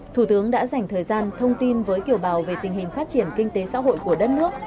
thủ tướng đã dành thời gian thông tin với kiều bào về tình hình phát triển kinh tế xã hội của đất nước